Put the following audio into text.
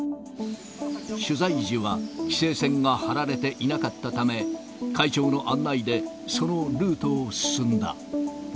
取材時は規制線が張られていなかったため、会長の案内でそのルートを進んだ。